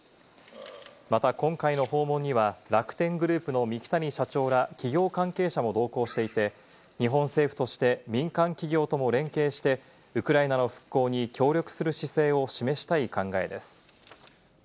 また今回の訪問には、楽天グループの三木谷社長ら、企業関係者も同行していて、日本政府として民間企業とも連携して、ウクライナの復興に協力する姿勢を示したい考えです。